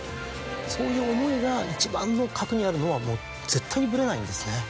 そういう思いが一番の核にあるのは絶対にブレないんですね。